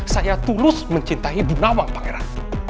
saya tulus mencintai ibu nawang pangeran